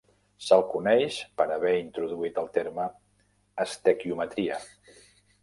Se'l coneix per haver introduït el terme "estequiometria".